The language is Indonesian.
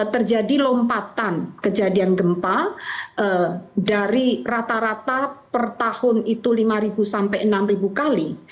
terjadi lompatan kejadian gempa dari rata rata per tahun itu lima sampai enam kali